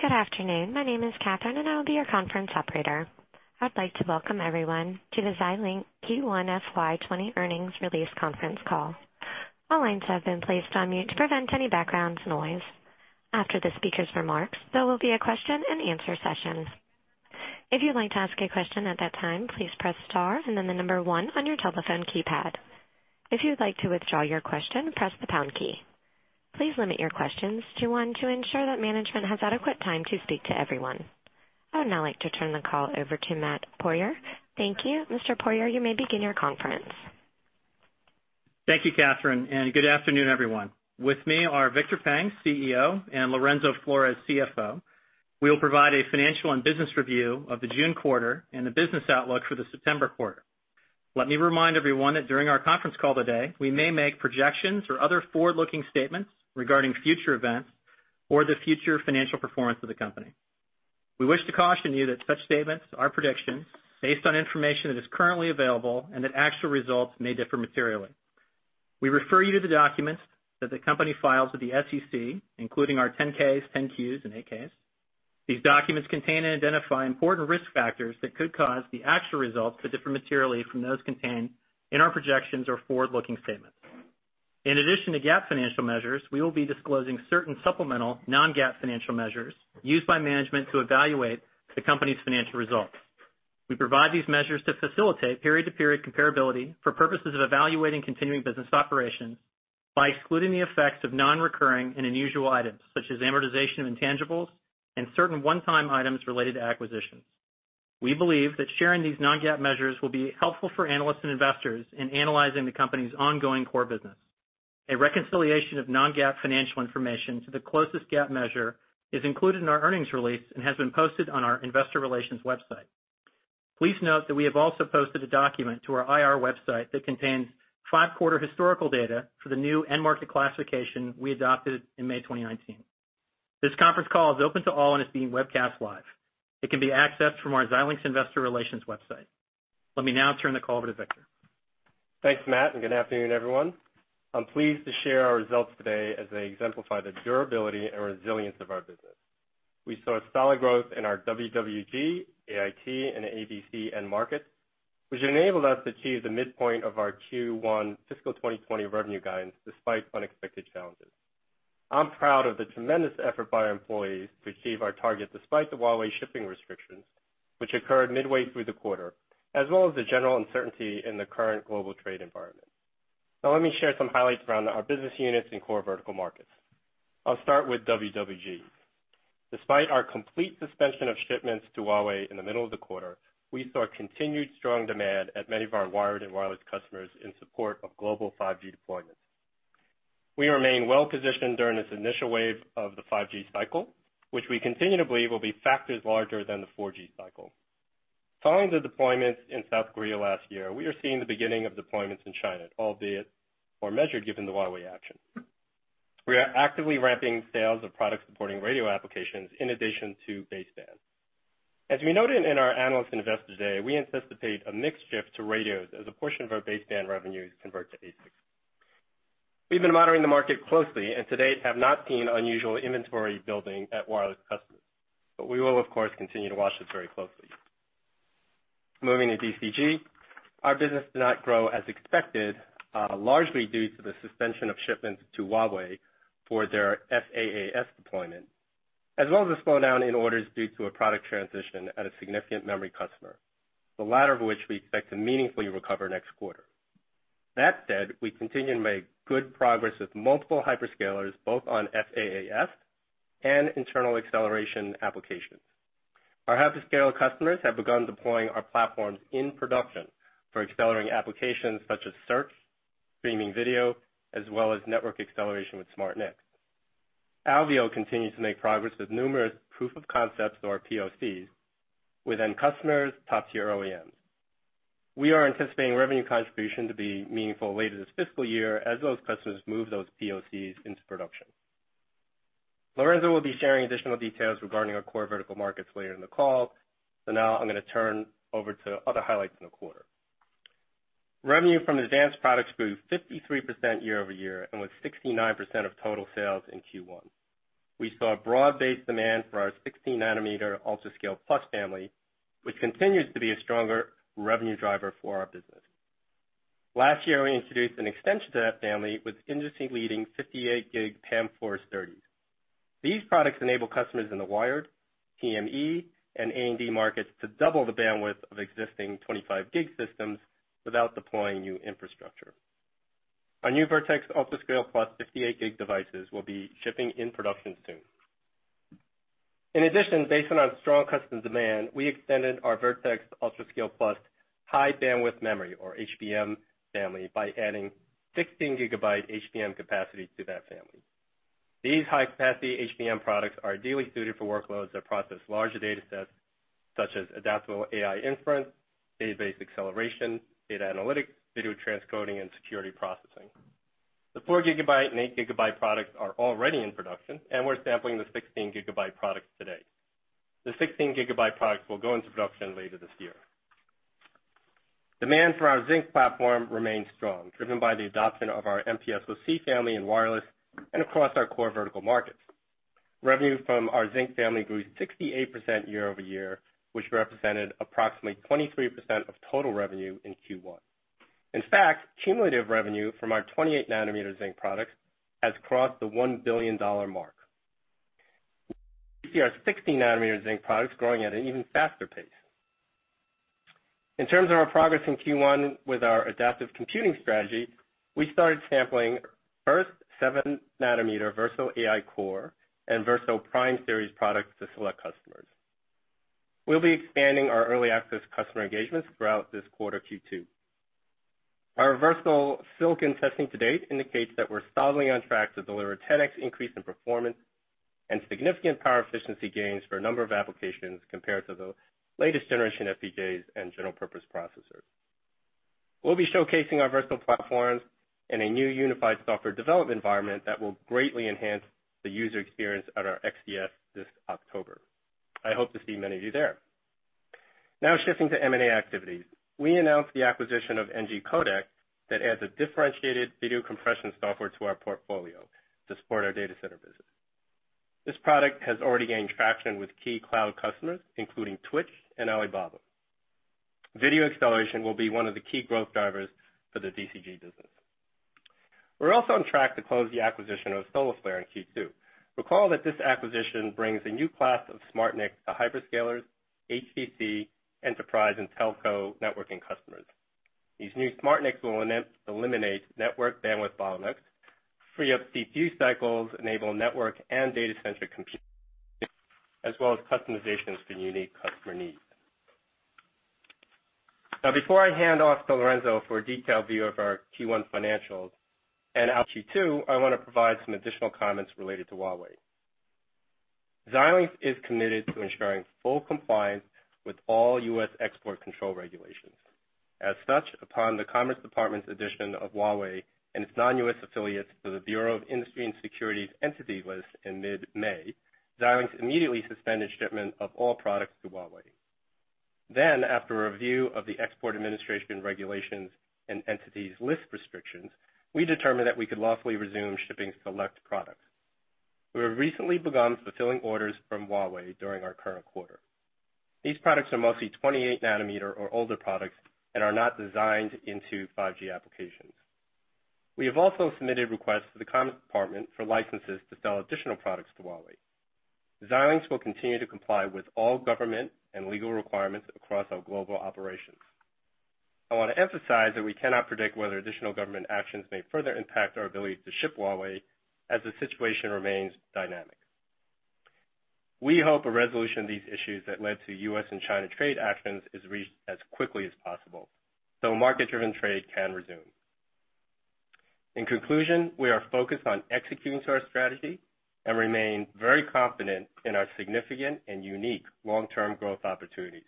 Good afternoon. My name is Catherine, and I will be your conference operator. I'd like to welcome everyone to the Xilinx Q1 FY 2020 earnings release conference call. All lines have been placed on mute to prevent any background noise. After the speaker's remarks, there will be a question and answer session. If you'd like to ask a question at that time, please press star and then the number one on your telephone keypad. If you'd like to withdraw your question, press the pound key. Please limit your questions to one to ensure that management has adequate time to speak to everyone. I would now like to turn the call over to Matt Poirier. Thank you. Mr. Poirier, you may begin your conference. Thank you, Catherine, and good afternoon, everyone. With me are Victor Peng, CEO, and Lorenzo Flores, CFO. We will provide a financial and business review of the June quarter and the business outlook for the September quarter. Let me remind everyone that during our conference call today, we may make projections or other forward-looking statements regarding future events or the future financial performance of the company. We wish to caution you that such statements are predictions based on information that is currently available and that actual results may differ materially. We refer you to the documents that the company files with the SEC, including our 10-Ks, 10-Qs, and 8-Ks. These documents contain and identify important risk factors that could cause the actual results to differ materially from those contained in our projections or forward-looking statements. In addition to GAAP financial measures, we will be disclosing certain supplemental non-GAAP financial measures used by management to evaluate the company's financial results. We provide these measures to facilitate period-to-period comparability for purposes of evaluating continuing business operations by excluding the effects of non-recurring and unusual items, such as amortization of intangibles and certain one-time items related to acquisitions. We believe that sharing these non-GAAP measures will be helpful for analysts and investors in analyzing the company's ongoing core business. A reconciliation of non-GAAP financial information to the closest GAAP measure is included in our earnings release and has been posted on our investor relations website. Please note that we have also posted a document to our IR website that contains five-quarter historical data for the new end market classification we adopted in May 2019. This conference call is open to all and is being webcast live. It can be accessed from our Xilinx investor relations website. Let me now turn the call over to Victor. Thanks, Matt, and good afternoon, everyone. I'm pleased to share our results today as they exemplify the durability and resilience of our business. We saw solid growth in our WWG, AIT, and ABC end markets, which enabled us to achieve the midpoint of our Q1 fiscal 2020 revenue guidance despite unexpected challenges. I'm proud of the tremendous effort by our employees to achieve our target despite the Huawei shipping restrictions, which occurred midway through the quarter, as well as the general uncertainty in the current global trade environment. Let me share some highlights around our business units and core vertical markets. I'll start with WWG. Despite our complete suspension of shipments to Huawei in the middle of the quarter, we saw continued strong demand at many of our wired and wireless customers in support of global 5G deployments. We remain well positioned during this initial wave of the 5G cycle, which we continue to believe will be far larger than the 4G cycle. Following the deployments in South Korea last year, we are seeing the beginning of deployments in China, albeit more measured given the Huawei action. We are actively ramping sales of products supporting radio applications in addition to baseband. As we noted in our Analyst Investor Day, we anticipate a mixed shift to radios as a portion of our baseband revenues convert to ASICs. We've been monitoring the market closely and to date have not seen unusual inventory building at wireless customers. We will, of course, continue to watch this very closely. Moving to DCG. Our business did not grow as expected, largely due to the suspension of shipments to Huawei for their FaaS deployment, as well as a slowdown in orders due to a product transition at a significant memory customer, the latter of which we expect to meaningfully recover next quarter. That said, we continue to make good progress with multiple hyperscalers, both on FaaS and internal acceleration applications. Our hyperscale customers have begun deploying our platforms in production for accelerating applications such as search, streaming video, as well as network acceleration with SmartNIC. Alveo continues to make progress with numerous proof of concepts or POCs with end customers, top-tier OEMs. We are anticipating revenue contribution to be meaningful later this fiscal year as those customers move those POCs into production. Lorenzo will be sharing additional details regarding our core vertical markets later in the call. Now I'm going to turn over to other highlights in the quarter. Revenue from advanced products grew 53% year-over-year and was 69% of total sales in Q1. We saw broad-based demand for our 16-nanometer UltraScale+ family, which continues to be a stronger revenue driver for our business. Last year, we introduced an extension to that family with industry-leading 58 gig PAM4 SerDes. These products enable customers in the wired, TME, and A&D markets to double the bandwidth of existing 25 gig systems without deploying new infrastructure. Our new Virtex UltraScale+ 58 gig devices will be shipping in production soon. In addition, based on our strong customer demand, we extended our Virtex UltraScale+ high bandwidth memory or HBM family by adding 16 gigabyte HBM capacity to that family. These high-capacity HBM products are ideally suited for workloads that process large data sets, such as adaptable AI inference, database acceleration, data analytics, video transcoding, and security processing. The four gigabyte and eight gigabyte products are already in production, and we're sampling the 16 gigabyte products today. The 16 gigabyte products will go into production later this year. Demand for our Zynq platform remains strong, driven by the adoption of our MPSoC family in wireless and across our core vertical markets. Revenue from our Zynq family grew 68% year-over-year, which represented approximately 23% of total revenue in Q1. In fact, cumulative revenue from our 28 nanometer Zynq products has crossed the $1 billion mark. We see our 16 nanometer Zynq products growing at an even faster pace. In terms of our progress in Q1 with our adaptive computing strategy, we started sampling first 7 nanometer Versal AI Core and Versal Prime series products to select customers. We'll be expanding our early access customer engagements throughout this quarter, Q2. Our Versal silicon testing to date indicates that we're solidly on track to deliver a 10x increase in performance and significant power efficiency gains for a number of applications compared to the latest generation FPGAs and general purpose processors. We'll be showcasing our Versal platforms in a new unified software development environment that will greatly enhance the user experience at our XDF this October. I hope to see many of you there. Now shifting to M&A activities. We announced the acquisition of NGCodec that adds a differentiated video compression software to our portfolio to support our data center business. This product has already gained traction with key cloud customers, including Twitch and Alibaba. Video acceleration will be one of the key growth drivers for the DCG business. We're also on track to close the acquisition of Solarflare in Q2. Recall that this acquisition brings a new class of SmartNIC to hyperscalers, HPC, enterprise, and telco networking customers. These new SmartNICs will eliminate network bandwidth bottlenecks, free up CPU cycles, enable network and data center computing, as well as customizations for unique customer needs. Now, before I hand off to Lorenzo for a detailed view of our Q1 financials and our Q2, I want to provide some additional comments related to Huawei. Xilinx is committed to ensuring full compliance with all U.S. export control regulations. As such, upon the Commerce Department's addition of Huawei and its non-U.S. affiliates to the Bureau of Industry and Security's Entity List in mid-May, Xilinx immediately suspended shipment of all products to Huawei. Then, after a review of the Export Administration Regulations and Entity List restrictions, we determined that we could lawfully resume shipping select products. We have recently begun fulfilling orders from Huawei during our current quarter. These products are mostly 28 nanometer or older products and are not designed into 5G applications. We have also submitted requests to the Commerce Department for licenses to sell additional products to Huawei. Xilinx will continue to comply with all government and legal requirements across our global operations. I want to emphasize that we cannot predict whether additional government actions may further impact our ability to ship Huawei as the situation remains dynamic. We hope a resolution of these issues that led to U.S. and China trade actions is reached as quickly as possible, so market-driven trade can resume. In conclusion, we are focused on executing to our strategy and remain very confident in our significant and unique long-term growth opportunities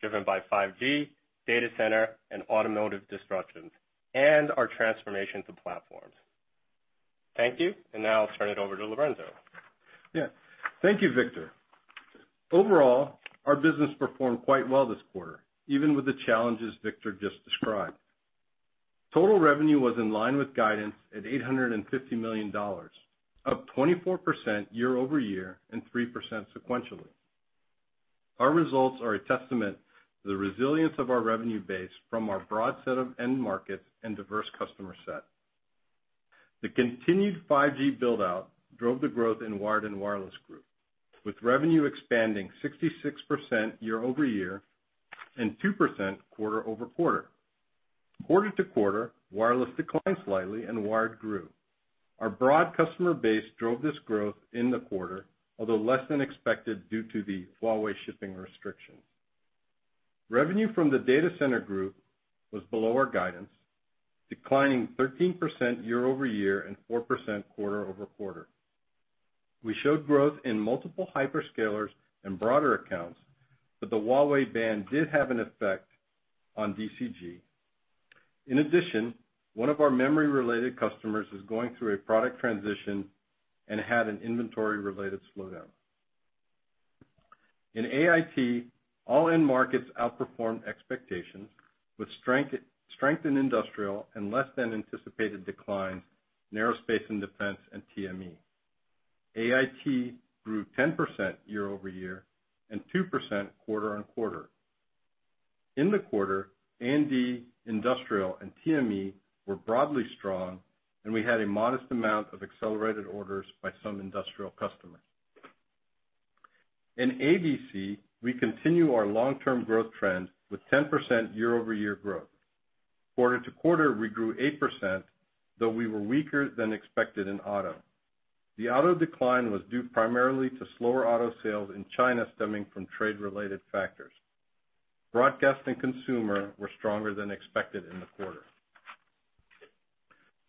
driven by 5G, data center, and automotive disruptions, and our transformation to platforms. Thank you. Now I'll turn it over to Lorenzo. Thank you, Victor. Overall, our business performed quite well this quarter, even with the challenges Victor just described. Total revenue was in line with guidance at $850 million, up 24% year-over-year and 3% sequentially. Our results are a testament to the resilience of our revenue base from our broad set of end markets and diverse customer set. The continued 5G build-out drove the growth in Wired and Wireless Group, with revenue expanding 66% year-over-year and 2% quarter-over-quarter. Quarter-to-quarter, wireless declined slightly, and wired grew. Our broad customer base drove this growth in the quarter, although less than expected due to the Huawei shipping restrictions. Revenue from the Data Center Group was below our guidance, declining 13% year-over-year and 4% quarter-over-quarter. We showed growth in multiple hyperscalers and broader accounts, the Huawei ban did have an effect on DCG. In addition, one of our memory-related customers is going through a product transition and had an inventory-related slowdown. In AIT, all end markets outperformed expectations with strength in industrial and less than anticipated declines, Aerospace and Defense and TME. AIT grew 10% year-over-year and 2% quarter-on-quarter. In the quarter, A&D industrial and TME were broadly strong, and we had a modest amount of accelerated orders by some industrial customers. In ABC, we continue our long-term growth trend with 10% year-over-year growth. Quarter-to-quarter, we grew 8%, though we were weaker than expected in auto. The auto decline was due primarily to slower auto sales in China stemming from trade-related factors. Broadcast and consumer were stronger than expected in the quarter.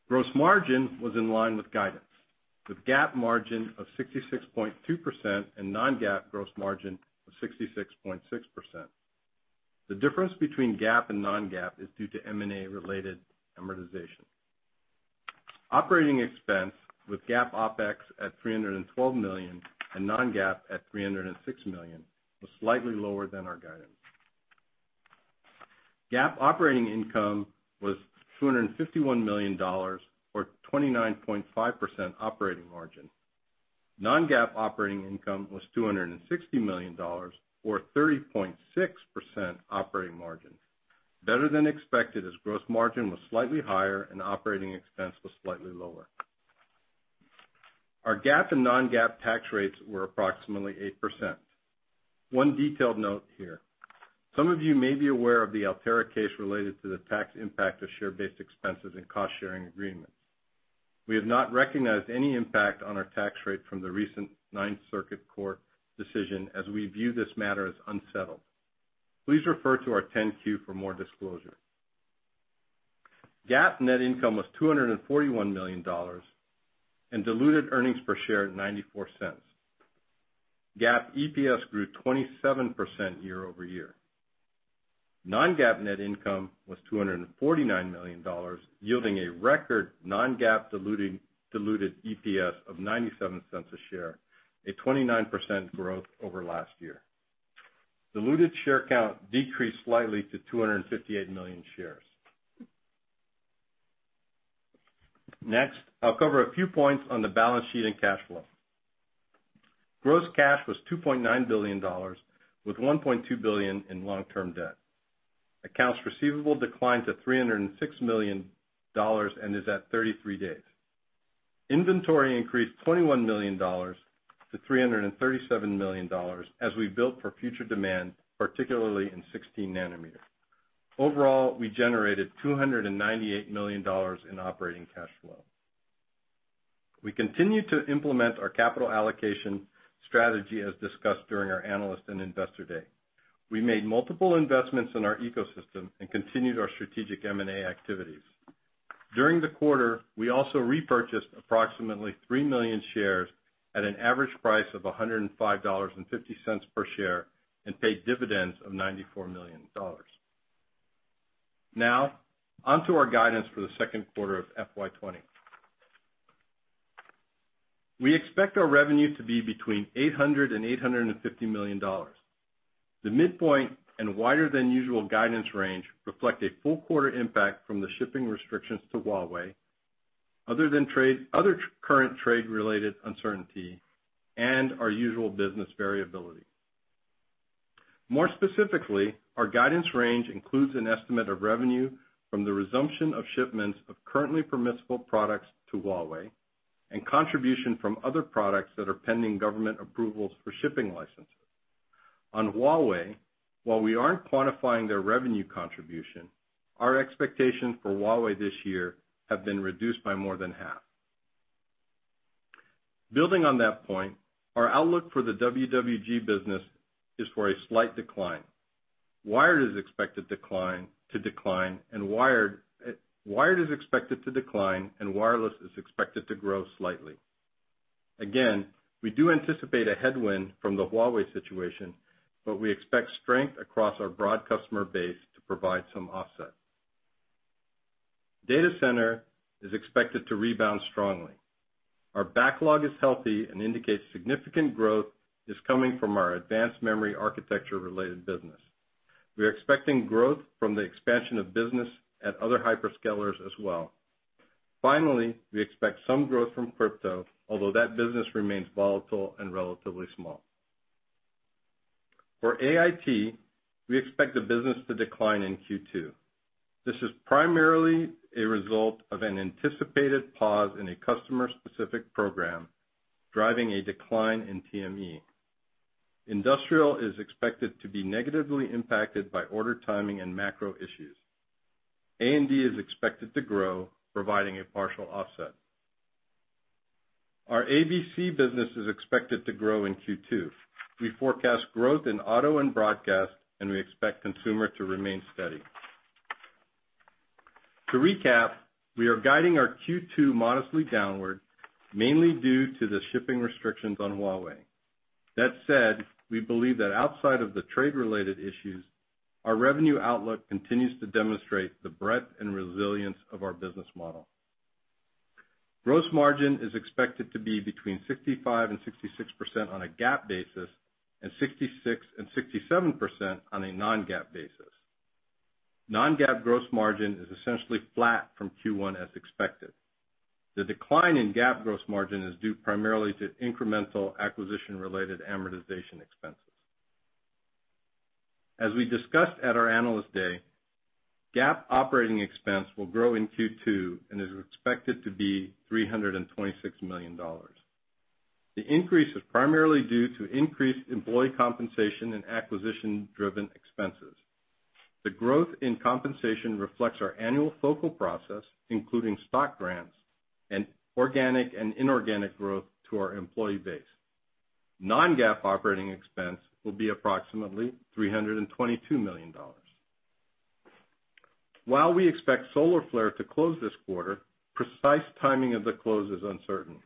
Gross margin was in line with guidance, with GAAP margin of 66.2% and non-GAAP gross margin of 66.6%. The difference between GAAP and non-GAAP is due to M&A-related amortization. Operating Expense with GAAP OpEx at $312 million and non-GAAP at $306 million was slightly lower than our guidance. GAAP operating income was $251 million or 29.5% operating margin. Non-GAAP operating income was $260 million or 30.6% operating margin, better than expected as gross margin was slightly higher and operating expense was slightly lower. Our GAAP and non-GAAP tax rates were approximately 8%. One detailed note here. Some of you may be aware of the Altera case related to the tax impact of share-based expenses and cost-sharing agreements. We have not recognized any impact on our tax rate from the recent Ninth Circuit Court decision as we view this matter as unsettled. Please refer to our 10-Q for more disclosure. GAAP net income was $241 million and diluted earnings per share at $0.94. GAAP EPS grew 27% year-over-year. Non-GAAP net income was $249 million, yielding a record non-GAAP diluted EPS of $0.97 a share, a 29% growth over last year. Diluted share count decreased slightly to 258 million shares. Next, I'll cover a few points on the balance sheet and cash flow. Gross cash was $2.9 billion, with $1.2 billion in long-term debt. Accounts receivable declined to $306 million and is at 33 days. Inventory increased $21 million to $337 million as we built for future demand, particularly in 16 nanometer. Overall, we generated $298 million in operating cash flow. We continue to implement our capital allocation strategy as discussed during our Analyst and Investor Day. We made multiple investments in our ecosystem and continued our strategic M&A activities. During the quarter, we also repurchased approximately 3 million shares at an average price of $105.50 per share and paid dividends of $94 million. Now, on to our guidance for the second quarter of FY 2020. We expect our revenue to be between $800 million and $850 million. The midpoint and wider than usual guidance range reflect a full quarter impact from the shipping restrictions to Huawei, other current trade-related uncertainty, and our usual business variability. More specifically, our guidance range includes an estimate of revenue from the resumption of shipments of currently permissible products to Huawei and contribution from other products that are pending government approvals for shipping licenses. On Huawei, while we aren't quantifying their revenue contribution, our expectations for Huawei this year have been reduced by more than half. Building on that point, our outlook for the WWG business is for a slight decline. Wired is expected to decline, wireless is expected to grow slightly. We do anticipate a headwind from the Huawei situation, but we expect strength across our broad customer base to provide some offset. Data center is expected to rebound strongly. Our backlog is healthy and indicates significant growth is coming from our advanced memory architecture-related business. We are expecting growth from the expansion of business at other hyperscalers as well. We expect some growth from crypto, although that business remains volatile and relatively small. For AIT, we expect the business to decline in Q2. This is primarily a result of an anticipated pause in a customer-specific program, driving a decline in TME. Industrial is expected to be negatively impacted by order timing and macro issues. A&D is expected to grow, providing a partial offset. Our ABC business is expected to grow in Q2. We forecast growth in auto and broadcast, we expect consumer to remain steady. To recap, we are guiding our Q2 modestly downward, mainly due to the shipping restrictions on Huawei. That said, we believe that outside of the trade-related issues, our revenue outlook continues to demonstrate the breadth and resilience of our business model. Gross margin is expected to be between 65%-66% on a GAAP basis, and 66%-67% on a non-GAAP basis. Non-GAAP gross margin is essentially flat from Q1 as expected. The decline in GAAP gross margin is due primarily to incremental acquisition-related amortization expenses. As we discussed at our Analyst Day, GAAP operating expense will grow in Q2 and is expected to be $326 million. The increase is primarily due to increased employee compensation and acquisition-driven expenses. The growth in compensation reflects our annual focal process, including stock grants and organic and inorganic growth to our employee base. Non-GAAP operating expense will be approximately $322 million. While we expect Solarflare to close this quarter, precise timing of the close is uncertain.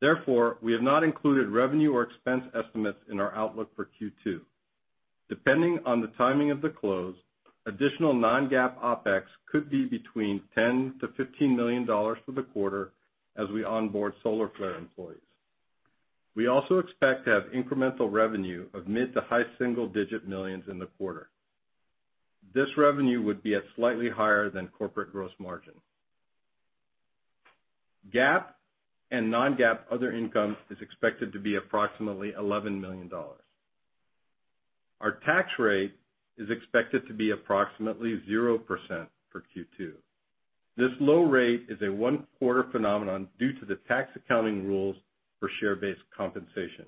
Therefore, we have not included revenue or expense estimates in our outlook for Q2. Depending on the timing of the close, additional non-GAAP OpEx could be between $10 million-$15 million for the quarter as we onboard Solarflare employees. We also expect to have incremental revenue of mid to high single digit millions in the quarter. This revenue would be at slightly higher than corporate gross margin. GAAP and non-GAAP other income is expected to be approximately $11 million. Our tax rate is expected to be approximately 0% for Q2. This low rate is a one-quarter phenomenon due to the tax accounting rules for share-based compensation.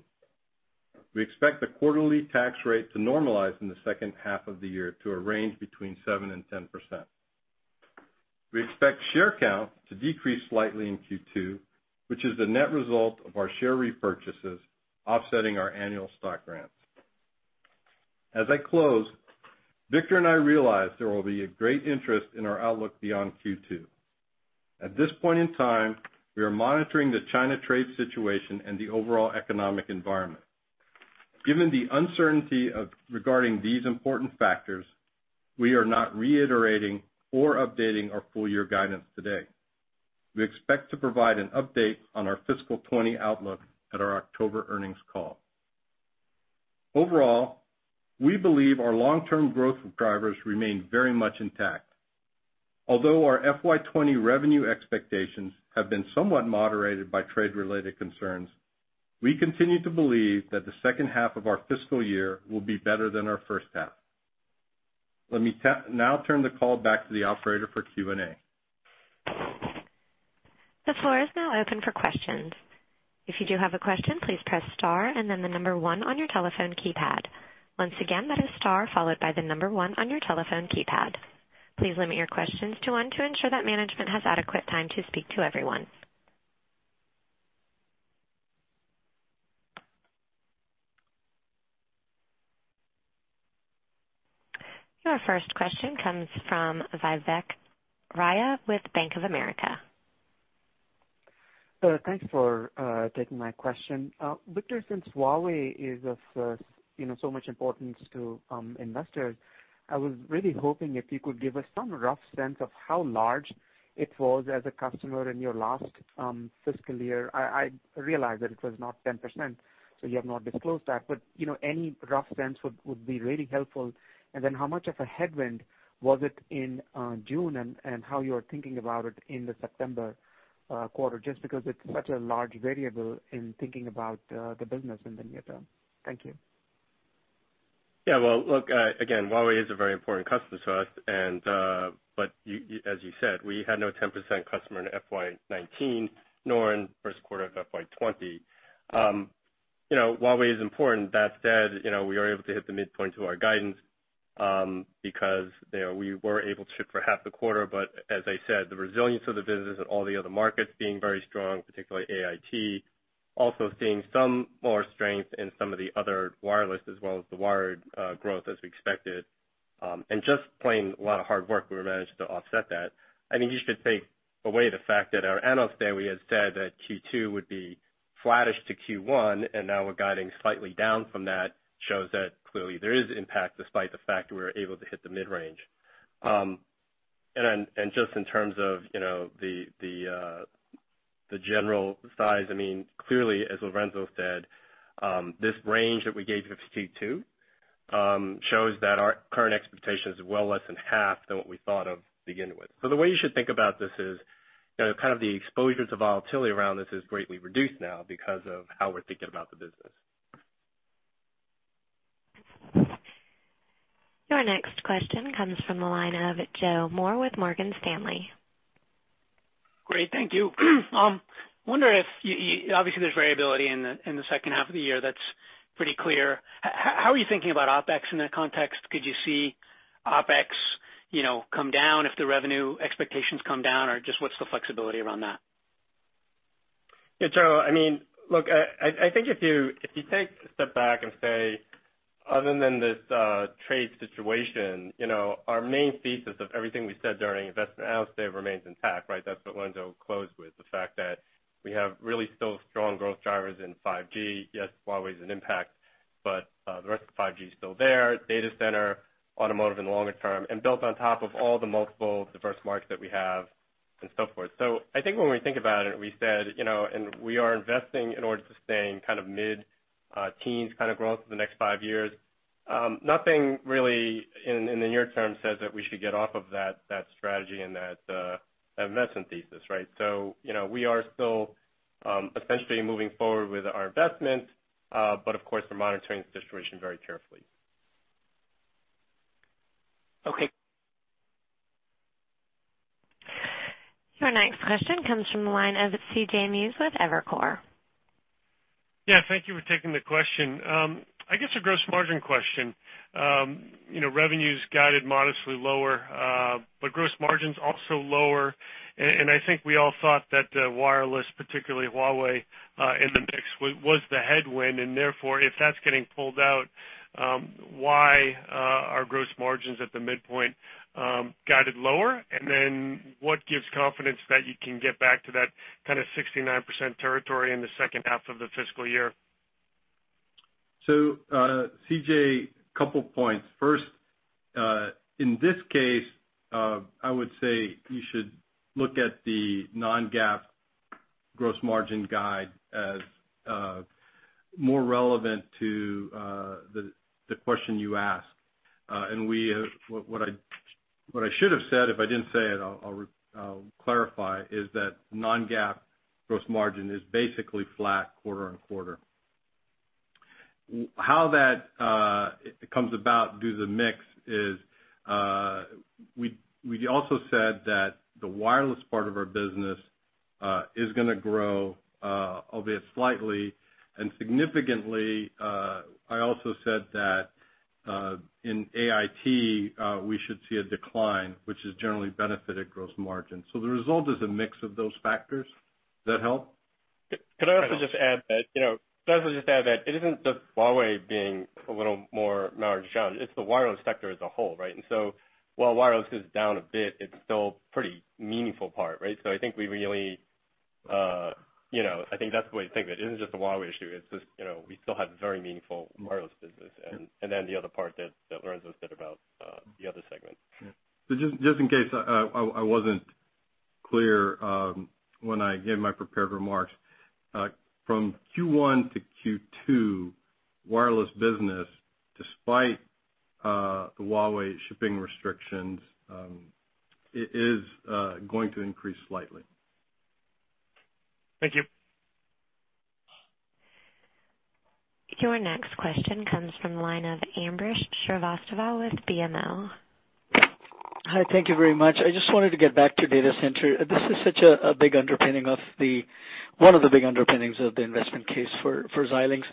We expect the quarterly tax rate to normalize in the second half of the year to a range between 7%-10%. We expect share count to decrease slightly in Q2, which is the net result of our share repurchases offsetting our annual stock grants. As I close, Victor and I realize there will be a great interest in our outlook beyond Q2. At this point in time, we are monitoring the China trade situation and the overall economic environment. Given the uncertainty regarding these important factors, we are not reiterating or updating our full year guidance today. We expect to provide an update on our fiscal 2020 outlook at our October earnings call. Overall, we believe our long-term growth drivers remain very much intact. Although our FY 2020 revenue expectations have been somewhat moderated by trade-related concerns, we continue to believe that the second half of our fiscal year will be better than our first half. Let me now turn the call back to the operator for Q&A. The floor is now open for questions. If you do have a question, please press star then the number one on your telephone keypad. Once again, that is star followed by the number one on your telephone keypad. Please limit your questions to one to ensure that management has adequate time to speak to everyone. Your first question comes from Vivek Arya with Bank of America. Sir, thank you for taking my question. Victor, since Huawei is of so much importance to investors, I was really hoping if you could give us some rough sense of how large it was as a customer in your last fiscal year. I realize that it was not 10%, so you have not disclosed that, but any rough sense would be really helpful. How much of a headwind was it in June, and how you're thinking about it in the September quarter, just because it's such a large variable in thinking about the business in the near term. Thank you. Well, look, again, Huawei is a very important customer to us. As you said, we had no 10% customer in FY 2019, nor in first quarter of FY 2020. Huawei is important. That said, we are able to hit the midpoint to our guidance because we were able to for half the quarter. As I said, the resilience of the business and all the other markets being very strong, particularly AIT, also seeing some more strength in some of the other wireless as well as the wired growth as we expected. Just plain a lot of hard work, we were managed to offset that. I think you should take away the fact that our Analyst Day, we had said that Q2 would be flattish to Q1, and now we're guiding slightly down from that, shows that clearly there is impact despite the fact that we were able to hit the mid-range. Just in terms of the general size, clearly, as Lorenzo said, this range that we gave you for Q2 shows that our current expectation is well less than half than what we thought of to begin with. The way you should think about this is, the exposure to volatility around this is greatly reduced now because of how we're thinking about the business. Your next question comes from the line of Joseph Moore with Morgan Stanley. Great. Thank you. I wonder if, obviously there's variability in the second half of the year, that's pretty clear. How are you thinking about OpEx in that context? Could you see OpEx come down if the revenue expectations come down, or just what's the flexibility around that? Joe, I think if you take a step back and say, other than this trade situation, our main thesis of everything we said during Investor Analyst Day remains intact, right? That's what Lorenzo closed with, the fact that we have really still strong growth drivers in 5G. Yes, Huawei's an impact, but the rest of 5G is still there. Data center, automotive in the longer term, and built on top of all the multiple diverse markets that we have and so forth. I think when we think about it, we said, and we are investing in order to stay in mid-teens growth for the next five years. Nothing really in the near term says that we should get off of that strategy and that investment thesis, right? We are still essentially moving forward with our investments. Of course, we're monitoring the situation very carefully. Okay. Your next question comes from the line of C.J. Muse with Evercore. Thank you for taking the question. I guess a gross margin question. Revenues guided modestly lower, but gross margins also lower. I think we all thought that wireless, particularly Huawei, in the mix was the headwind, therefore, if that's getting pulled out, why are gross margins at the midpoint guided lower? What gives confidence that you can get back to that 69% territory in the second half of the fiscal year? C.J., two points. First, in this case, I would say you should look at the non-GAAP gross margin guide as more relevant to the question you asked. What I should have said, if I did not say it, I will clarify, is that non-GAAP gross margin is basically flat quarter-over-quarter. How that comes about due to the mix is, we also said that the wireless part of our business is going to grow, albeit slightly and significantly. I also said that in AIT, we should see a decline, which has generally benefited gross margin. The result is a mix of those factors. Does that help? Could I also just add that it is not just Huawei being a little more margin challenged. It is the wireless sector as a whole, right? While wireless is down a bit, it is still pretty meaningful part, right? I think that is the way to think of it. It is not just a Huawei issue, it is just we still have very meaningful wireless business. The other part that Lorenzo said about the other segment. Just in case I was not clear when I gave my prepared remarks. From Q1 to Q2, wireless business, despite the Huawei shipping restrictions, is going to increase slightly. Thank you. Your next question comes from the line of Ambrish Srivastava with BMO. Hi. Thank you very much. I just wanted to get back to data center. This is such one of the big underpinnings of the investment case for Xilinx.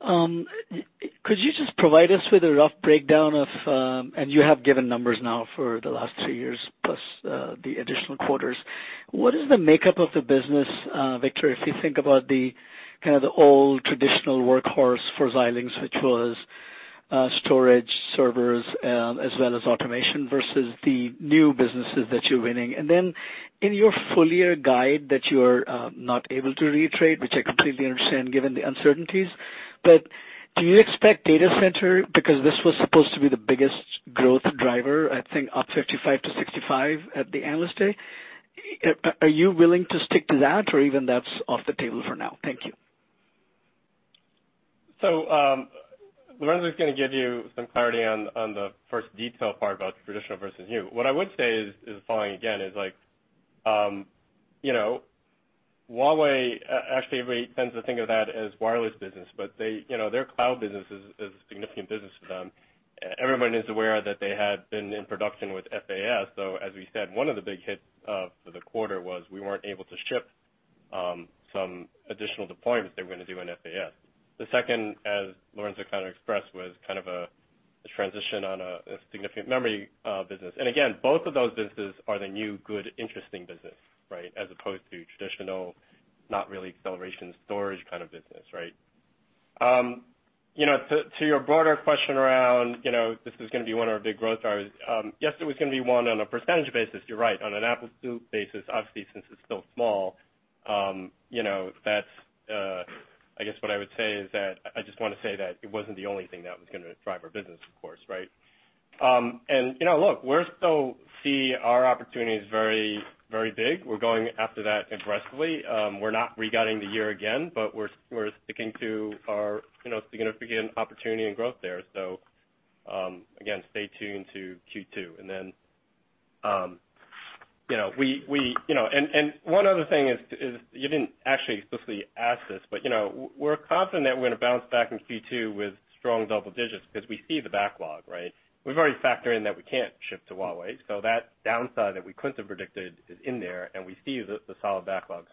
Could you just provide us with a rough breakdown of, you have given numbers now for the last three years plus the additional quarters, what is the makeup of the business, Victor, if you think about the old traditional workhorse for Xilinx, which was storage servers as well as automation, versus the new businesses that you're winning? Then in your full year guide that you're not able to reiterate, which I completely understand given the uncertainties. Do you expect data center, because this was supposed to be the biggest growth driver, I think up 55%-65% at the Analyst Day. Are you willing to stick to that or even that's off the table for now? Thank you. Lorenzo is going to give you some clarity on the first detail part about traditional versus new. What I would say is the following again is like, Huawei, actually everybody tends to think of that as wireless business, but their cloud business is a significant business to them. Everyone is aware that they had been in production with FaaS. As we said, one of the big hits for the quarter was we weren't able to ship some additional deployments they were going to do in FaaS. The second, as Lorenzo kind of expressed, was kind of a transition on a significant memory business. Again, both of those businesses are the new, good, interesting business, right? As opposed to traditional, not really acceleration storage kind of business, right? To your broader question around this is going to be one of our big growth drivers. Yes, it was going to be one on a percentage basis, you're right. On an absolute basis, obviously, since it's still small, I guess what I would say is that I just want to say that it wasn't the only thing that was going to drive our business, of course, right? Look, we still see our opportunities very big. We're going after that aggressively. We're not re-guiding the year again, we're sticking to our significant opportunity and growth there. Again, stay tuned to Q2. One other thing is, you didn't actually explicitly ask this, we're confident we're going to bounce back in Q2 with strong double digits because we see the backlog, right? We've already factored in that we can't ship to Huawei, so that downside that we couldn't have predicted is in there, and we see the solid backlog.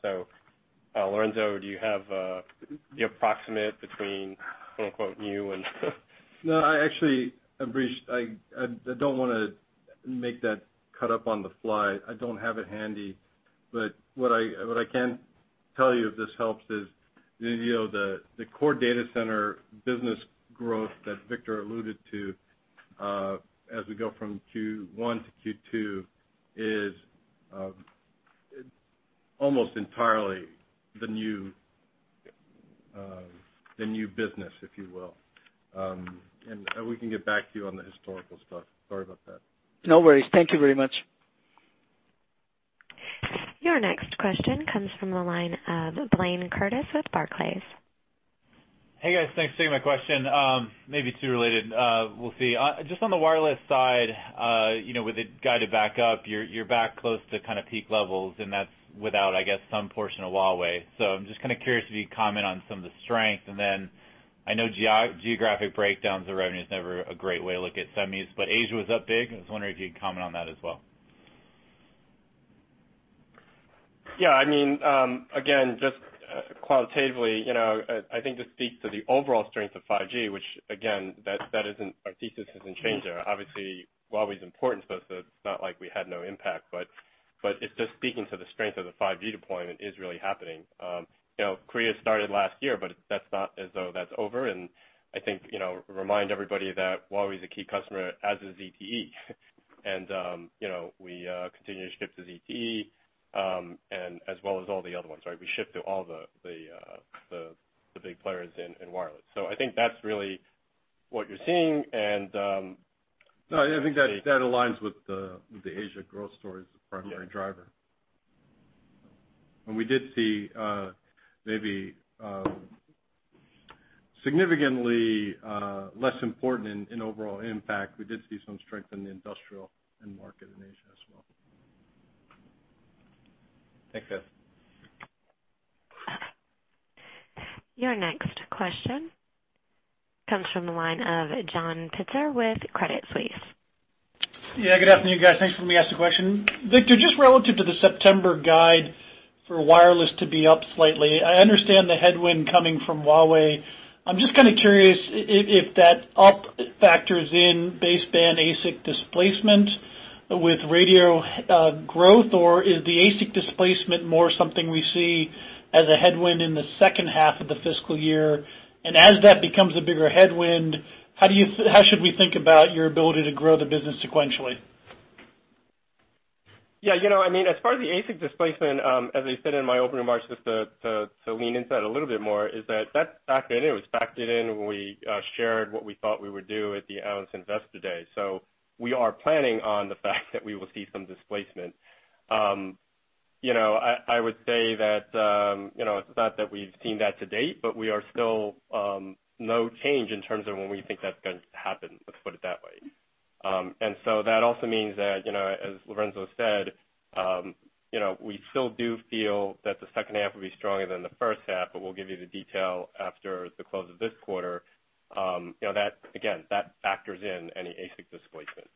Lorenzo, do you have the approximate between quote unquote new and? No, actually, Ambrish, I don't want to make that cut up on the fly. I don't have it handy. What I can tell you, if this helps, is the core data center business growth that Victor alluded to as we go from Q1 to Q2 is almost entirely the new business, if you will. We can get back to you on the historical stuff. Sorry about that. No worries. Thank you very much. Your next question comes from the line of Blayne Curtis with Barclays. Hey, guys. Thanks for taking my question. Maybe two related, we'll see. Just on the wireless side, with the guided backup, you're back close to kind of peak levels, and that's without, I guess, some portion of Huawei. I'm just kind of curious if you could comment on some of the strength. I know geographic breakdowns of revenue is never a great way to look at semis, but Asia was up big. I was wondering if you could comment on that as well. Yeah. Again, just qualitatively, I think this speaks to the overall strength of 5G, which again, our thesis hasn't changed there. Obviously, Huawei is important to us, so it's not like we had no impact, but it's just speaking to the strength of the 5G deployment is really happening. Korea started last year, but that's not as though that's over. I think remind everybody that Huawei is a key customer as is ZTE and we continue to ship to ZTE as well as all the other ones, right? We ship to all the big players in wireless. I think that's really what you're seeing. No, I think that aligns with the Asia growth story as the primary driver. We did see maybe significantly less important in overall impact. We did see some strength in the industrial end market in Asia as well. Thanks, guys. Your next question comes from the line of John Pitzer with Credit Suisse. Yeah. Good afternoon, guys. Thanks for let me ask the question. Victor, just relative to the September guide for wireless to be up slightly, I understand the headwind coming from Huawei. I'm just kind of curious if that up factors in baseband ASIC displacement with radio growth, or is the ASIC displacement more something we see as a headwind in the second half of the fiscal year? How should we think about your ability to grow the business sequentially? Yeah. As far as the ASIC displacement, as I said in my opening remarks, just to lean into that a little bit more, is that factor in. It was factored in when we shared what we thought we would do at the Analyst Investor Day. We are planning on the fact that we will see some displacement. I would say that, it's not that we've seen that to date, but we are still no change in terms of when we think that's going to happen. Let's put it that way. That also means that, as Lorenzo said, we still do feel that the second half will be stronger than the first half, but we'll give you the detail after the close of this quarter. Again, that factors in any ASIC displacement.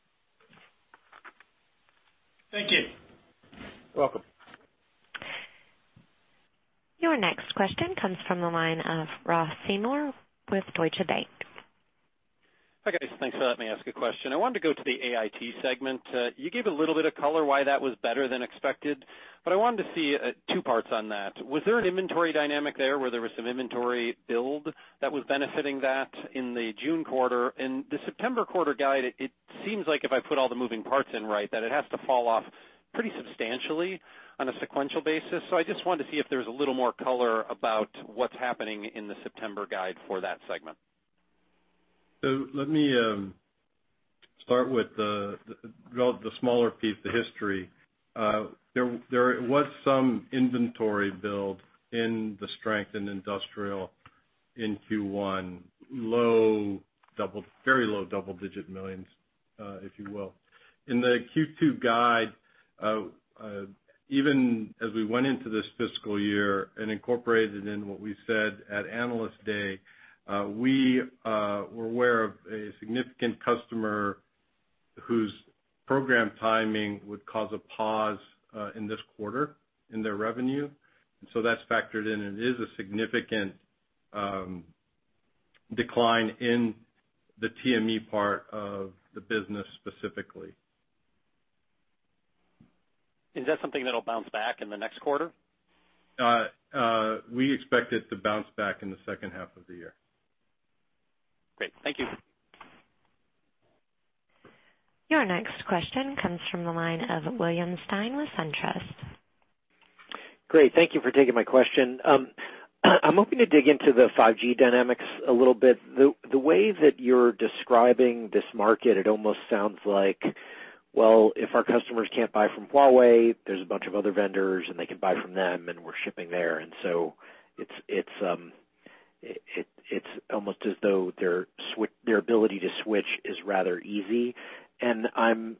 Thank you. You're welcome. Your next question comes from the line of Ross Seymore with Deutsche Bank. Hi, guys. Thanks for letting me ask a question. I wanted to go to the AIT segment. You gave a little bit of color why that was better than expected, but I wanted to see two parts on that. Was there an inventory dynamic there where there was some inventory build that was benefiting that in the June quarter? The September quarter guide, it seems like if I put all the moving parts in right, that it has to fall off pretty substantially on a sequential basis. I just wanted to see if there's a little more color about what's happening in the September guide for that segment. Let me start with the smaller piece, the history. There was some inventory build in the strength in industrial in Q1, very low double-digit millions, if you will. In the Q2 guide, even as we went into this fiscal year and incorporated it in what we said at Analyst Day, we were aware of a significant customer whose program timing would cause a pause in this quarter in their revenue, that's factored in, and it is a significant decline in the TME part of the business specifically. Is that something that'll bounce back in the next quarter? We expect it to bounce back in the second half of the year. Great. Thank you. Your next question comes from the line of William Stein with SunTrust. Great. Thank you for taking my question. I'm hoping to dig into the 5G dynamics a little bit. The way that you're describing this market, it almost sounds like, well, if our customers can't buy from Huawei, there's a bunch of other vendors, and they can buy from them, and we're shipping there. It's almost as though their ability to switch is rather easy, and I'm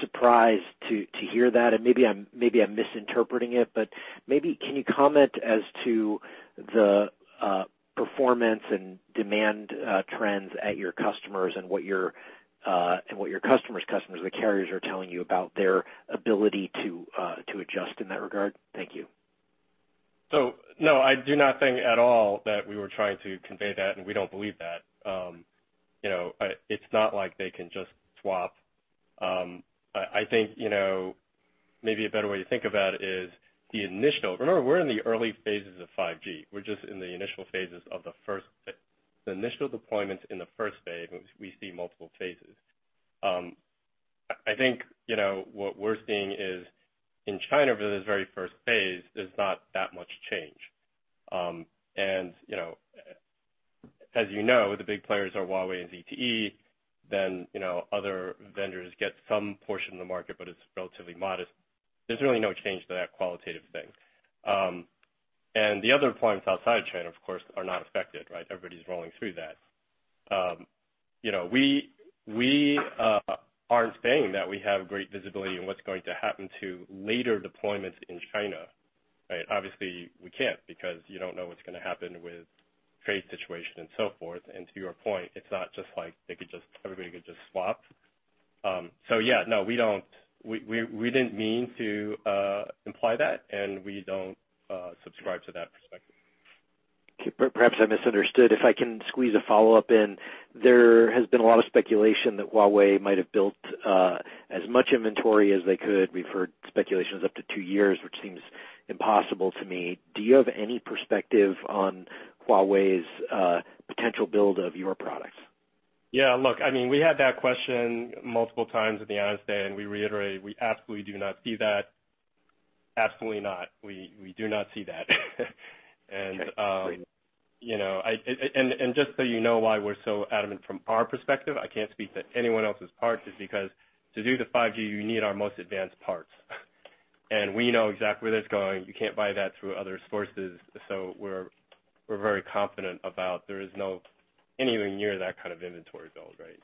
surprised to hear that. Maybe I'm misinterpreting it, but maybe can you comment as to the performance and demand trends at your customers and what your customers' customers, the carriers, are telling you about their ability to adjust in that regard? Thank you. No, I do not think at all that we were trying to convey that, and we don't believe that. It's not like they can just swap. I think maybe a better way to think about it is Remember, we're in the early phases of 5G. We're just in the initial phases of the initial deployments in the first phase, we see multiple phases. I think what we're seeing is in China, for this very first phase, there's not that much change. As you know, the big players are Huawei and ZTE. Other vendors get some portion of the market, but it's relatively modest. There's really no change to that qualitative thing. The other deployments outside of China, of course, are not affected, right? Everybody's rolling through that. We aren't saying that we have great visibility on what's going to happen to later deployments in China. Right? Obviously, we can't because you don't know what's going to happen with trade situation and so forth. To your point, it's not just like everybody could just swap. Yeah, no, we didn't mean to imply that, and we don't subscribe to that perspective. Okay, perhaps I misunderstood. If I can squeeze a follow-up in. There has been a lot of speculation that Huawei might have built as much inventory as they could. We've heard speculations up to two years, which seems impossible to me. Do you have any perspective on Huawei's potential build of your products? Yeah, look, we had that question multiple times at the Analyst Day. We reiterated we absolutely do not see that. Absolutely not. We do not see that. Okay, great. Just so you know why we're so adamant from our perspective, I can't speak to anyone else's parts, is because to do the 5G, you need our most advanced parts. We know exactly where that's going. You can't buy that through other sources. We're very confident about there is no anywhere near that kind of inventory build, right?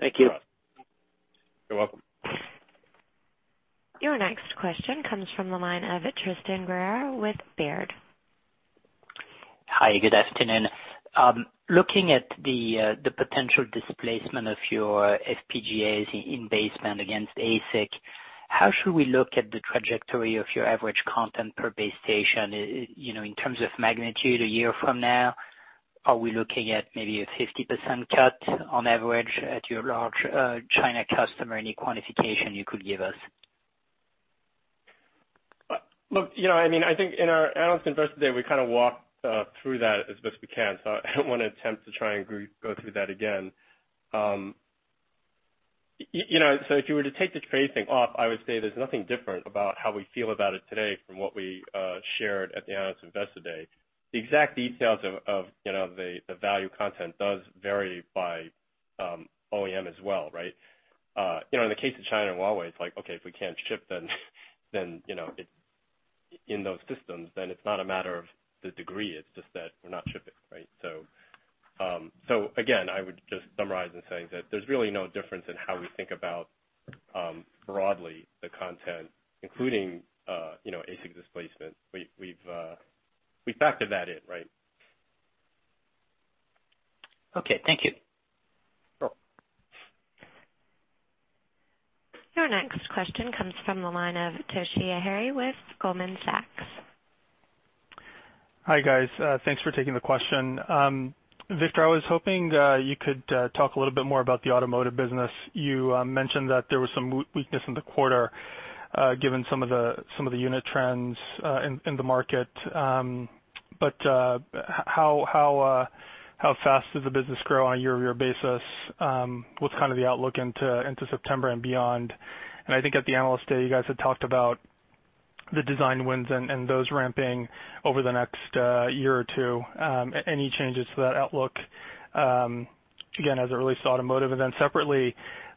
Thank you. You're welcome. Your next question comes from the line of Tristan Gerra with Baird. Hi, good afternoon. Looking at the potential displacement of your FPGAs in baseband against ASIC, how should we look at the trajectory of your average content per base station, in terms of magnitude a year from now? Are we looking at maybe a 50% cut on average at your large China customer? Any quantification you could give us? Look, I think in our Analyst Investor Day, we kind of walked through that as best we can, so I don't want to attempt to try and go through that again. If you were to take the trade thing off, I would say there's nothing different about how we feel about it today from what we shared at the Analyst Investor Day. The exact details of the value content does vary by OEM as well, right? In the case of China and Huawei, it's like, okay, if we can't ship in those systems, then it's not a matter of the degree, it's just that we're not shipping, right? Again, I would just summarize in saying that there's really no difference in how we think about broadly the content, including ASIC displacement. We've factored that in, right? Okay, thank you. Sure. Your next question comes from the line of Toshiya Hari with Goldman Sachs. Hi, guys. Thanks for taking the question. Victor, I was hoping you could talk a little bit more about the Automotive business. You mentioned that there was some weakness in the quarter, given some of the unit trends in the market. How fast did the business grow on a year-over-year basis? What's kind of the outlook into September and beyond? I think at the Analyst Day, you guys had talked about the design wins and those ramping over the next year or two. Any changes to that outlook, again, as it relates to Automotive? Separately,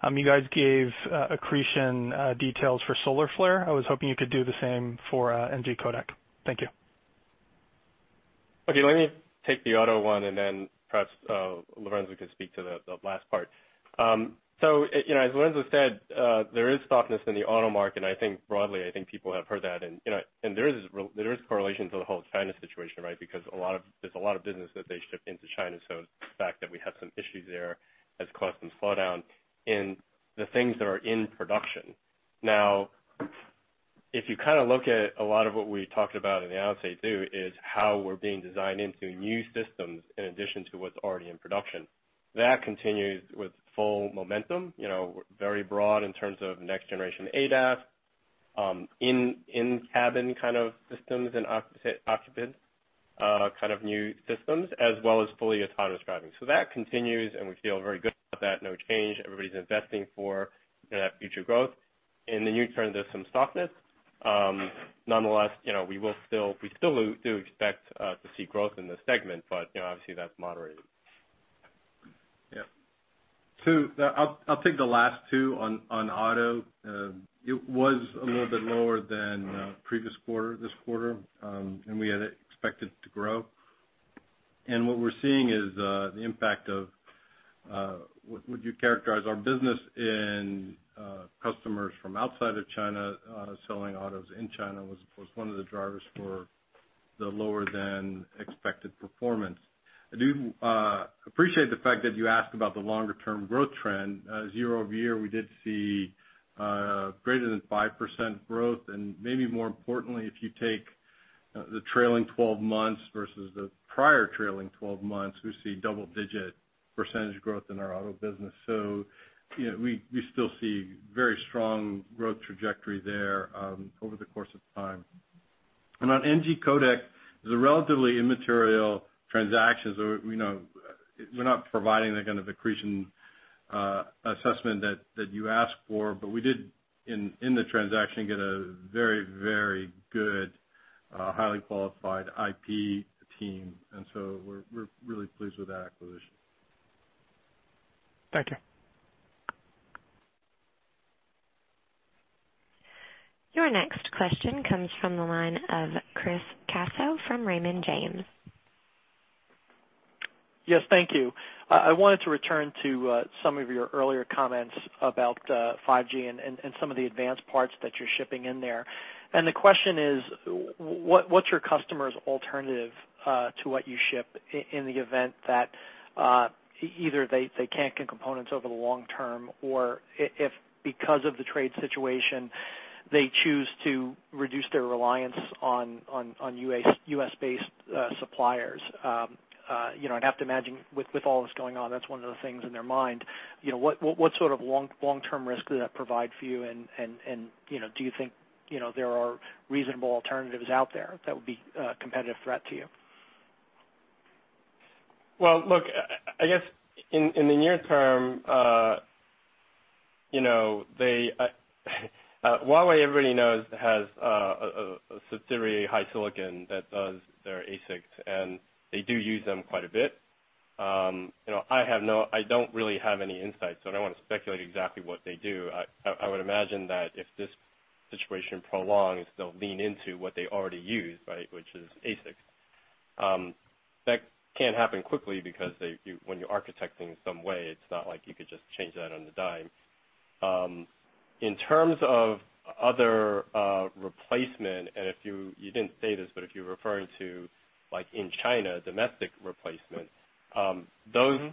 you guys gave accretion details for Solarflare. I was hoping you could do the same for NGCodec. Thank you. Okay, let me take the Automotive one, and then perhaps Lorenzo can speak to the last part. As Lorenzo said, there is softness in the Automotive market. Broadly, I think people have heard that, and there is correlation to the whole China situation, right? There's a lot of business that they ship into China, so the fact that we have some issues there has caused some slowdown in the things that are in production. If you kind of look at a lot of what we talked about in the Analyst Day, too, is how we're being designed into new systems in addition to what's already in production. That continues with full momentum. Very broad in terms of next generation ADAS, in-cabin kind of systems and occupant kind of new systems, as well as fully autonomous driving. That continues, and we feel very good about that. No change. Everybody's investing for that future growth. In the near-term, there's some softness. Nonetheless, we still do expect to see growth in this segment, but obviously that's moderated. Yeah. I'll take the last two on auto. It was a little bit lower than previous quarter this quarter. We had expected to grow. What we're seeing is the impact of what you characterize our business in customers from outside of China selling autos in China was one of the drivers for the lower than expected performance. I do appreciate the fact that you asked about the longer-term growth trend. Year-over-year, we did see greater than 5% growth. Maybe more importantly, if you take the trailing 12 months versus the prior trailing 12 months, we see double-digit % growth in our auto business. We still see very strong growth trajectory there over the course of time. On NGCodec, it's a relatively immaterial transaction, so we're not providing the kind of accretion assessment that you asked for. We did, in the transaction, get a very good, highly qualified IP team. We're really pleased with that acquisition. Thank you. Your next question comes from the line of Chris Caso from Raymond James. Yes, thank you. I wanted to return to some of your earlier comments about 5G and some of the advanced parts that you're shipping in there. The question is, what's your customer's alternative to what you ship in the event that either they can't get components over the long term, or if because of the trade situation, they choose to reduce their reliance on U.S.-based suppliers? I'd have to imagine with all this going on, that's one of the things in their mind. What sort of long-term risk does that provide for you, and do you think there are reasonable alternatives out there that would be a competitive threat to you? Well, look, I guess in the near term, Huawei, everybody knows, has a subsidiary HiSilicon that does their ASICs, they do use them quite a bit. I don't really have any insight, I don't want to speculate exactly what they do. I would imagine that if this situation prolongs, they'll lean into what they already use, which is ASICs. That can't happen quickly because when you're architecting in some way, it's not like you could just change that on a dime. In terms of other replacement, you didn't say this, if you're referring to in China, domestic replacement, those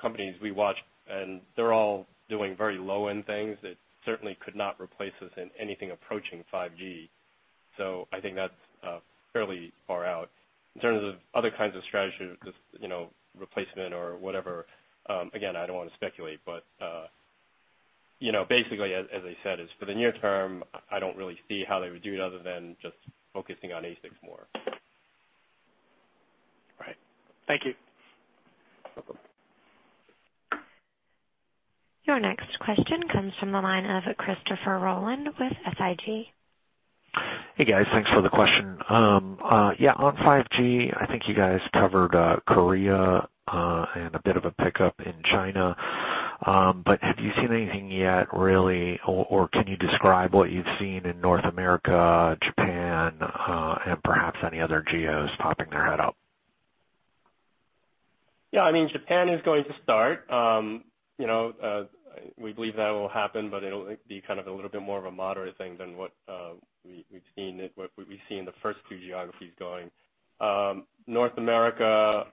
companies we watch, and they're all doing very low-end things that certainly could not replace us in anything approaching 5G. I think that's fairly far out. In terms of other kinds of strategies, replacement or whatever, again, I don't want to speculate, basically, as I said, is for the near term, I don't really see how they would do it other than just focusing on ASICs more. Right. Thank you. You're welcome. Your next question comes from the line of Christopher Rolland with Susquehanna. Hey, guys. Thanks for the question. Yeah, on 5G, I think you guys covered Korea and a bit of a pickup in China. Have you seen anything yet, really, or can you describe what you've seen in North America, Japan, and perhaps any other geos popping their head up? Yeah, Japan is going to start. We believe that will happen, but it'll be a little bit more of a moderate thing than what we've seen the first two geographies going. North America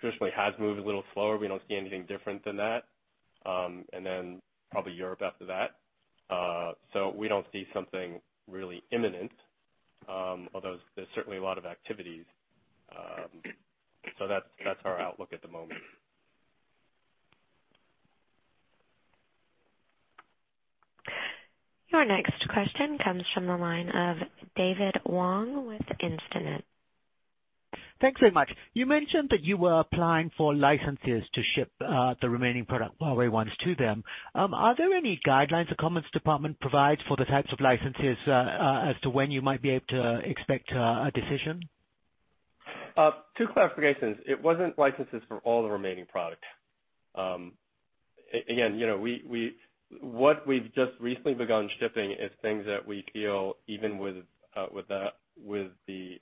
traditionally has moved a little slower. We don't see anything different than that. Then probably Europe after that. We don't see something really imminent. Although there's certainly a lot of activities. That's our outlook at the moment. Your next question comes from the line of David Wong with Instinet. Thanks very much. You mentioned that you were applying for licenses to ship the remaining product Huawei wants to them. Are there any guidelines the Commerce Department provides for the types of licenses as to when you might be able to expect a decision? Two clarifications. It wasn't licenses for all the remaining product. Again, what we've just recently begun shipping is things that we feel, even with the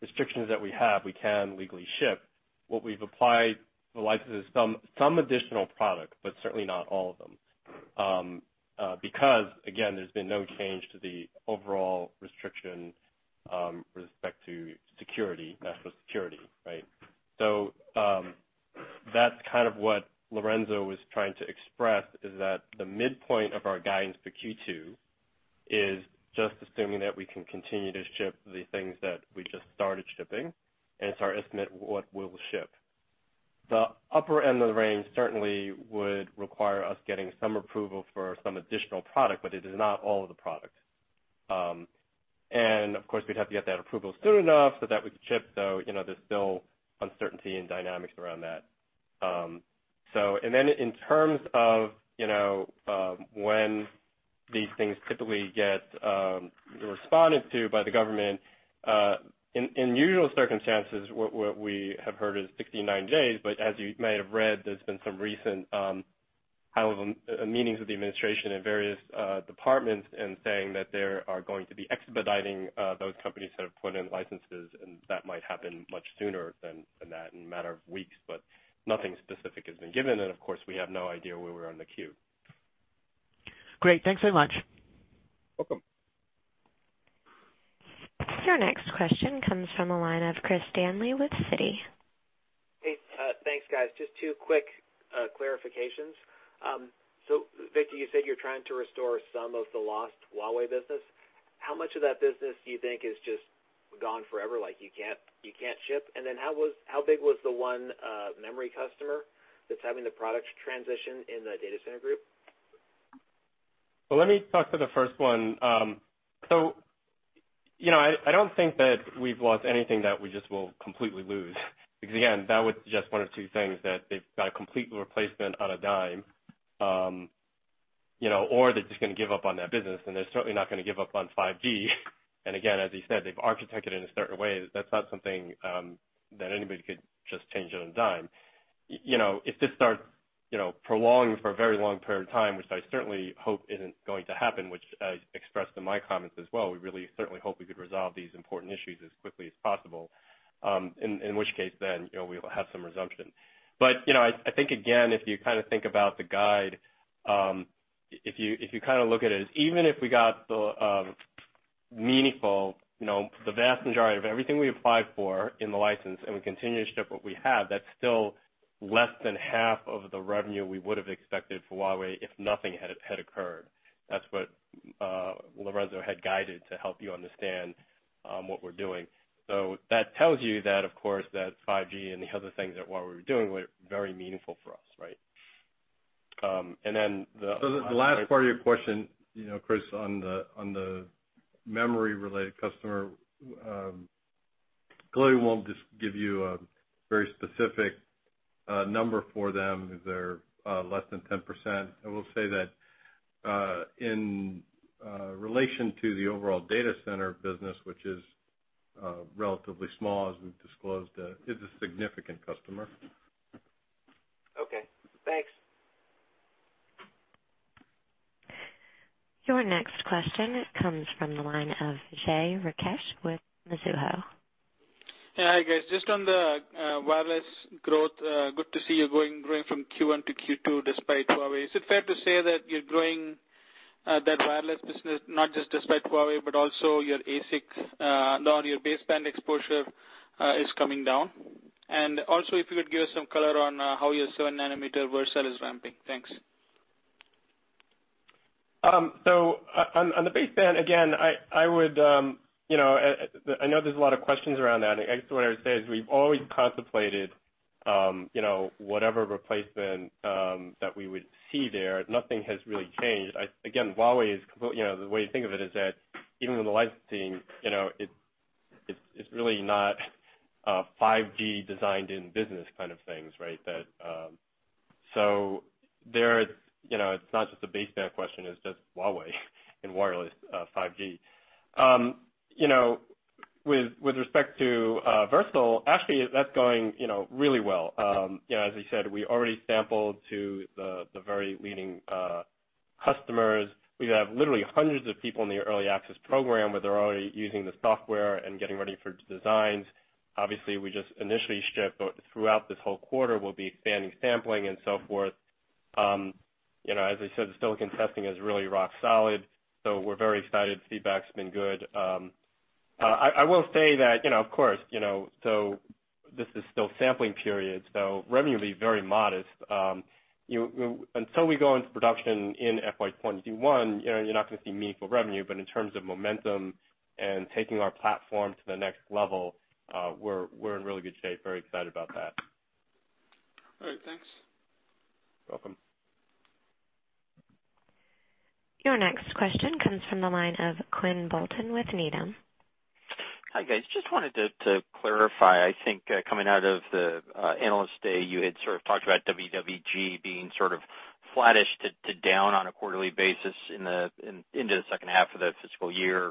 restrictions that we have, we can legally ship. What we've applied for licenses, some additional product, but certainly not all of them. Because, again, there's been no change to the overall restriction with respect to national security. That's what Lorenzo was trying to express is that the midpoint of our guidance for Q2 is just assuming that we can continue to ship the things that we just started shipping, and it's our estimate what we'll ship. The upper end of the range certainly would require us getting some approval for some additional product, but it is not all of the products. Of course, we'd have to get that approval soon enough so that we can ship. There's still uncertainty and dynamics around that. In terms of when these things typically get responded to by the government, in usual circumstances, what we have heard is 69 days. As you may have read, there's been some recent meetings with the administration and various departments in saying that they are going to be expediting those companies that have put in licenses, and that might happen much sooner than that in a matter of weeks. Nothing specific has been given, and of course, we have no idea where we are in the queue. Great. Thanks very much. You're welcome. Your next question comes from the line of Christopher Danely with Citi. Hey, thanks, guys. Just two quick clarifications. Victor, you said you're trying to restore some of the lost Huawei business. How much of that business do you think is just gone forever, like you can't ship? How big was the one memory customer that's having the product transition in the data center group? Well, let me talk to the first one. I don't think that we've lost anything that we just will completely lose. Because again, that would suggest one of two things, that they've got a complete replacement on a dime or they're just going to give up on that business, and they're certainly not going to give up on 5G. Again, as you said, they've architected in a certain way. That's not something that anybody could just change on a dime. If this starts prolonging for a very long period of time, which I certainly hope isn't going to happen, which I expressed in my comments as well, we really certainly hope we could resolve these important issues as quickly as possible. In which case, we'll have some resumption. I think, again, if you think about the guide, if you look at it as even if we got the vast majority of everything we applied for in the license, and we continue to ship what we have, that's still less than half of the revenue we would have expected for Huawei if nothing had occurred. That's what Lorenzo had guided to help you understand what we're doing. That tells you that, of course, that 5G and the other things that Huawei were doing were very meaningful for us, right? The last part of your question, Chris, on the memory-related customer, Glenn won't just give you a very specific number for them, if they're less than 10%. I will say that in relation to the overall data center business, which is relatively small as we've disclosed, is a significant customer. Okay, thanks. Your next question comes from the line of Vijay Rakesh with Mizuho. Yeah. Hi, guys. Just on the wireless growth, good to see you growing from Q1 to Q2 despite Huawei. Is it fair to say that you're growing that wireless business, not just despite Huawei, but also your ASIC, now your baseband exposure is coming down? Also, if you could give us some color on how your 7 nm Versal is ramping. Thanks. On the baseband, again, I know there's a lot of questions around that. I guess what I would say is we've always contemplated whatever replacement that we would see there. Nothing has really changed. Again, Huawei is completely-- the way to think of it is that even with the licensing, it's really not a 5G designed in business kind of things, right? It's not just a baseband question, it's just Huawei and wireless 5G. With respect to Versal, actually, that's going really well. As I said, we already sampled to the very leading customers. We have literally hundreds of people in the early access program, where they're already using the software and getting ready for designs. Obviously, we just initially shipped, but throughout this whole quarter, we'll be expanding sampling and so forth. As I said, the silicon testing is really rock solid, so we're very excited. Feedback's been good. I will say that, of course, this is still sampling period, so revenue will be very modest. Until we go into production in FY 2021, you're not going to see meaningful revenue. In terms of momentum and taking our platform to the next level, we're in really good shape. Very excited about that. All right. Thanks. You're welcome. Your next question comes from the line of Quinn Bolton with Needham. Hi, guys. Just wanted to clarify. I think coming out of the Analyst Day, you had sort of talked about WWG being sort of flattish to down on a quarterly basis into the second half of the fiscal year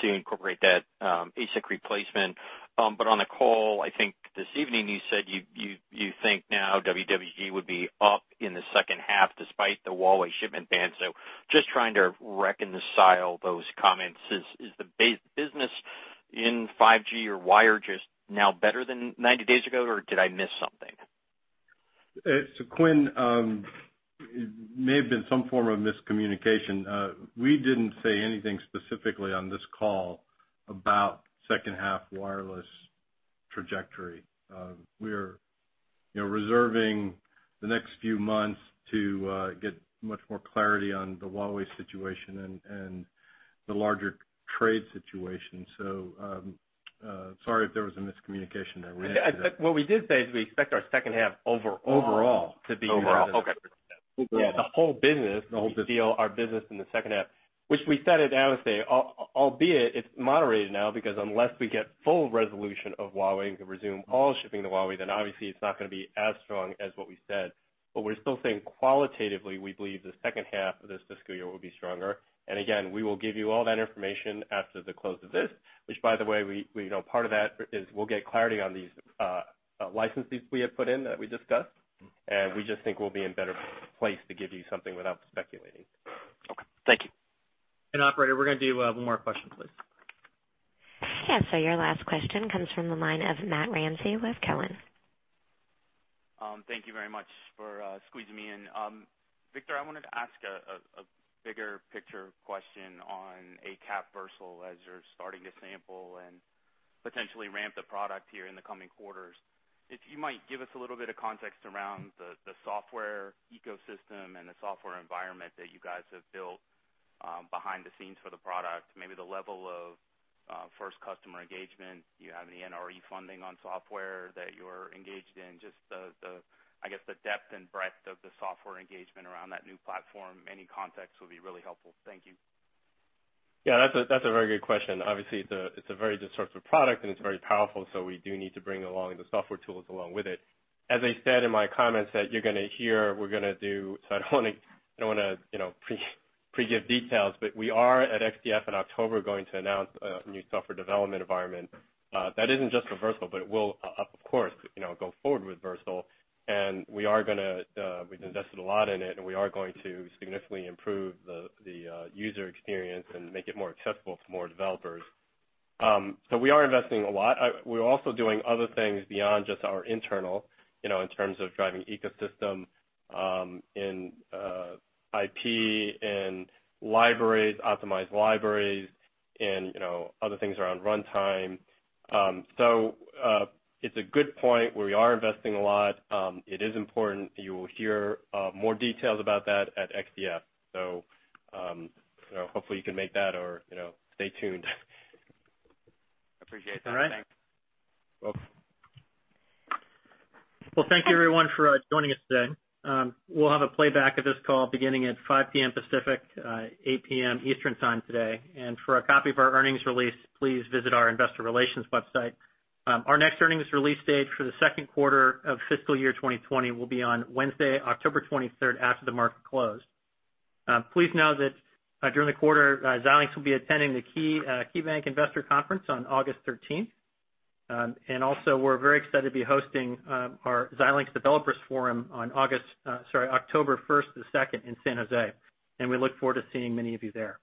to incorporate that ASIC replacement. On the call, I think this evening, you said you think now WWG would be up in the second half despite the Huawei shipment ban. Just trying to reconcile those comments. Is the business in 5G or wire just now better than 90 days ago, or did I miss something? Quinn, it may have been some form of miscommunication. We didn't say anything specifically on this call about second half wireless trajectory. We're reserving the next few months to get much more clarity on the Huawei situation and the larger trade situation. Sorry if there was a miscommunication there. We didn't say that. What we did say is we expect our second half overall- Overall. To be. Overall. Okay. Yeah, the whole business- The whole business Our business in the second half, which we said at Analyst Day, albeit it's moderated now because unless we get full resolution of Huawei and can resume all shipping to Huawei, then obviously it's not going to be as strong as what we said. We're still saying qualitatively, we believe the second half of this fiscal year will be stronger. Again, we will give you all that information after the close of this, which, by the way, part of that is we'll get clarity on these licenses we have put in that we discussed, and we just think we'll be in better place to give you something without speculating. Okay. Thank you. Operator, we're going to do one more question, please. Yeah. Your last question comes from the line of Matthew Ramsay with Cowen. Thank you very much for squeezing me in. Victor, I wanted to ask a bigger picture question on ACAP Versal as you're starting to sample and potentially ramp the product here in the coming quarters. If you might give us a little bit of context around the software ecosystem and the software environment that you guys have built behind the scenes for the product, maybe the level of first customer engagement. Do you have any NRE funding on software that you're engaged in? Just, I guess, the depth and breadth of the software engagement around that new platform. Any context will be really helpful. Thank you. Yeah. That's a very good question. Obviously, it's a very disruptive product, and it's very powerful, so we do need to bring along the software tools along with it. As I said in my comments that you're going to hear, I don't want to pre-give details, but we are at XDF in October going to announce a new software development environment. That isn't just for Versal, but it will of course go forward with Versal. We've invested a lot in it, and we are going to significantly improve the user experience and make it more accessible to more developers. We are investing a lot. It is important. You will hear more details about that at XDF. Hopefully you can make that or stay tuned. Appreciate that. All right. Thanks. Welcome. Well, thank you everyone for joining us today. We'll have a playback of this call beginning at 5:00 P.M. Pacific, 8:00 P.M. Eastern Time today. For a copy of our earnings release, please visit our investor relations website. Our next earnings release date for the second quarter of fiscal year 2020 will be on Wednesday, October 23rd, after the market close. Please know that during the quarter, Xilinx will be attending the KeyBanc Investor Conference on August 13th. We're very excited to be hosting our Xilinx Developer Forum on October 1st to the 2nd in San Jose, and we look forward to seeing many of you there.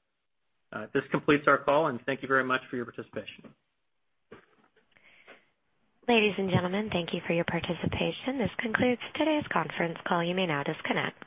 This completes our call, and thank you very much for your participation. Ladies and gentlemen, thank you for your participation. This concludes today's conference call. You may now disconnect.